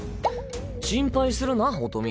心配するな音美。